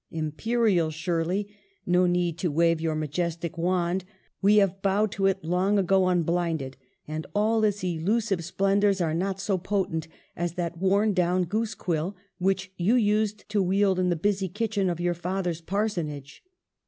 Imperial Shir ley, no need to wave your majestic wand, we have bowed to it long ago unblinded ; and all its illusive splendors are not so potent as that worn down goose quill which you used to wield in the busy kitchen of your father's parsonage.